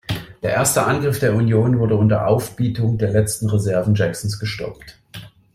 Der erste Angriff der Union wurde unter Aufbietung der letzten Reserven Jacksons gestoppt.